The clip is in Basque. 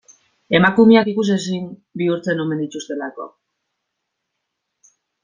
Emakumeak ikusezin bihurtzen omen dituztelako.